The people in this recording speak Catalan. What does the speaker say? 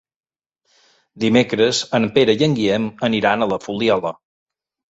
Dimecres en Pere i en Guillem aniran a la Fuliola.